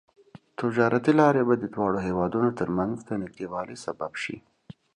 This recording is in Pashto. تجارتي لارې به د دواړو هېوادونو ترمنځ د نږدیوالي سبب شي.